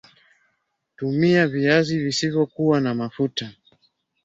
Tumia viazi visivyokua na mafuta